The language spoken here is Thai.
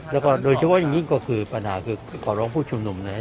และก็โดยเฉพาะอย่างนี้ก็คือปัญหาคือก็ขอร้องผู้ชมนุมนะฮะ